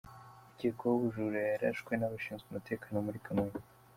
Ukekwaho ubujura yarashwe n’abashinzwe umutekano Muri Kamonyi